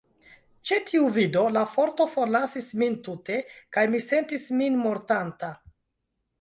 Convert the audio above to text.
Ĉe tiu vido, la forto forlasis min tute, kaj mi sentis min mortanta.